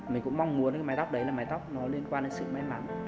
mình cũng mong muốn cái mái tóc đấy là mái tóc nó liên quan đến sự may mắn